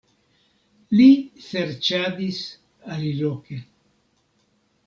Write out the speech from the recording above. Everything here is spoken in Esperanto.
Li serĉadis aliloke.